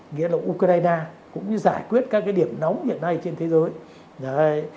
nghĩa là ukraine cũng như giải quyết các điểm nóng hiện nay trên thế giới